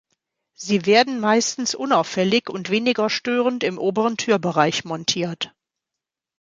Sie werden meistens unauffällig und weniger störend im oberen Türbereich montiert.